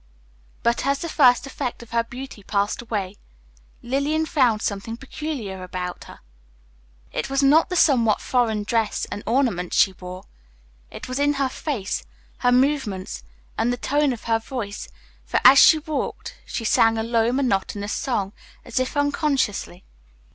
But as the first effect of her beauty passed away, Lillian found something peculiar about her. It was not the somewhat foreign dress and ornaments she wore; it was in her face, her movements, and the tone of her voice, for as she walked she sang a low, monotonous song, as if unconsciously.